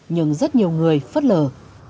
nhưng rất nhiều người phất lờ